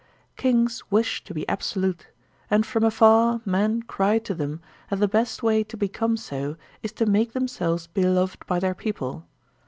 Kings wish to be absolute, and from afar men cry to them that the best way to become so is to make them selves beloved by their people.